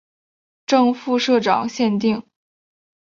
正副社长限定